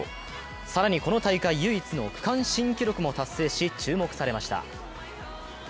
更にこの大会唯一の区間新記録も達成し注目されました。